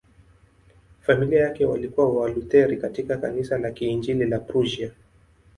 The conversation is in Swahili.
Familia yake walikuwa Walutheri katika Kanisa la Kiinjili la Prussia.